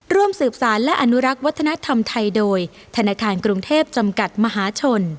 ร่วมสืบสารและอนุรักษ์วัฒนธรรมไทยโดยธนาคารกรุงเทพจำกัดมหาชน